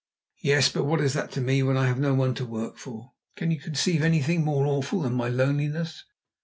"Yes, but what is that to me when I have no one to work for? Can you conceive anything more awful than my loneliness?